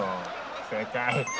正解。